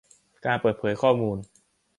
การเปิดเผยข้อมูล